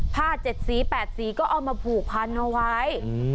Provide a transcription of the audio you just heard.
๗สี๘สีก็เอามาผูกพันเอาไว้